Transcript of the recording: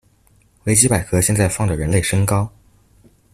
維基百科現在放的人類身高